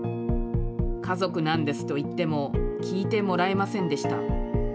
家族なんですと言っても聞いてもらえませんでした。